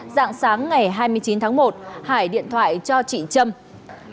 dạng sáng ngày hai mươi chín tháng một hải điện thoại cho chị trần thị huyền trâm